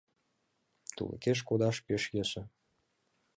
Тулыкеш кодаш пеш йӧсӧ.